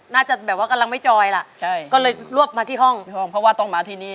น่าจะแบบว่ากำลังไม่จอยล่ะใช่ก็เลยรวบมาที่ห้องเพราะว่าต้องมาที่นี่